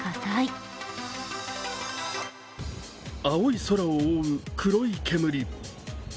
青い空を覆う黒い煙。